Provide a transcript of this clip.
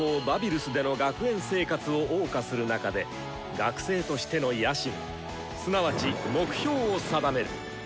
バビルスでの学園生活をおう歌する中で学生としての野心すなわち目標を定める。